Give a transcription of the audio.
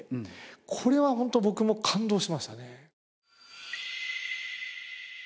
これはホント僕も感動しましたね。